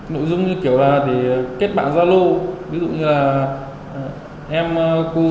nội dung như kiểu là kết bạn gia lô ví dụ như là em cô đơn quá em muốn tìm người yêu